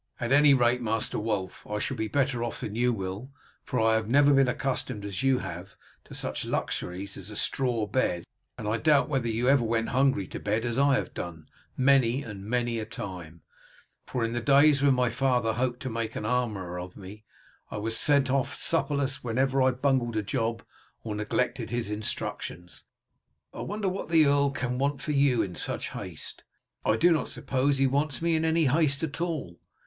At any rate, Master Wulf, I shall be better off than you will, for I have never been accustomed, as you have, to such luxuries as a straw bed; and I doubt whether you ever went hungry to bed as I have done many and many a time, for in the days when my father hoped to make an armourer of me I was sent off supperless whenever I bungled a job or neglected his instructions. I wonder what the earl can want you for in such haste?" "I do not suppose he wants me in any haste at all.